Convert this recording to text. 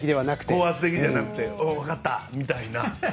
高圧的じゃなくてうん、わかったみたいな。